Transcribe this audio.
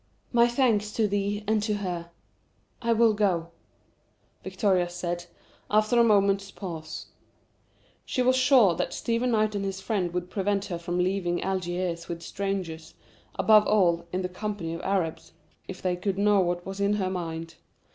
"My thanks to thee and to her I will go," Victoria said, after a moment's pause. She was sure that Stephen Knight and his friend would prevent her from leaving Algiers with strangers, above all, in the company of Arabs, if they could know what was in her mind.